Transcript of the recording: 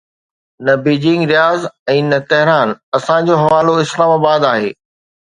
نه Beijing Riyadh ۽ نه Tehran, اسان جو حوالو اسلام آباد آهي.